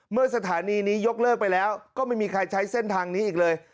สถานีนี้ยกเลิกไปแล้วก็ไม่มีใครใช้เส้นทางนี้อีกเลย